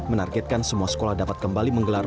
menargetkan semua sekolah dapat kembali menggelar